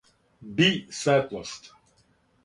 би светлост